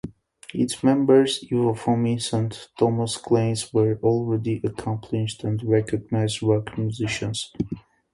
Its members Ivo Fomins and Tomass Kleins were already accomplished and recognized rock musicians.